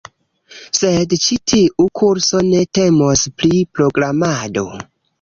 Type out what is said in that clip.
sed ĉi tiu kurso ne temos pri programado